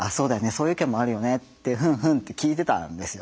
そういう意見もあるよねってふんふんって聞いてたんですよ。